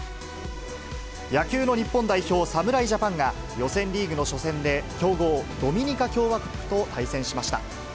野球の日本代表、侍ジャパンが、予選リーグの初戦で、強豪、ドミニカ共和国と対戦しました。